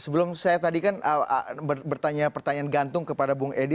sebelum saya tadi kan bertanya pertanyaan gantung kepada bung edi